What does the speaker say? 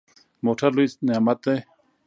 موټر لوی نعمت دی.